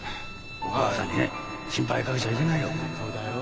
お母さんにね心配かけちゃいけないよ。